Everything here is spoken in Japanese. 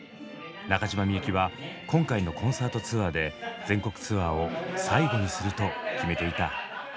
中島みゆきは今回のコンサートツアーで全国ツアーを最後にすると決めていた。